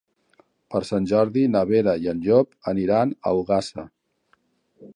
Per Sant Jordi na Vera i en Llop aniran a Ogassa.